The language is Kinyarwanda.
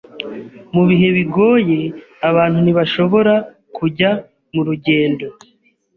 Mu bihe bigoye, abantu ntibashobora kujya murugendo,